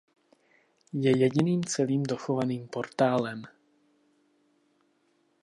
Je jediným celým dochovaným portálem.